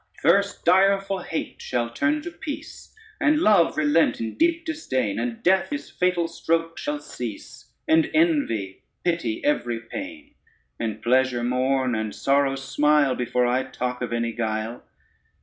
First direful hate shall turn to peace, And love relent in deep disdain, And death his fatal stroke shall cease, And envy pity every pain, And pleasure mourn and sorrow smile, Before I talk of any guile.